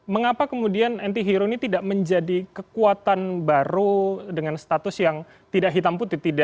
mengapa kemudian anti hero ini tidak menjadi kekuatan baru dengan status yang tidak hitam putih